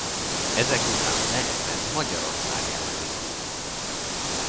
Ezek után Mehmed Magyarország ellen indult.